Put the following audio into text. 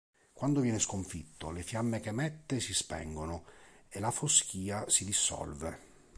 Quando viene sconfitto, le fiamme che emette si spengono e la foschia si dissolve.